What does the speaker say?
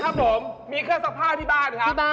ครับผมมีเครื่องซักผ้าที่บ้านครับ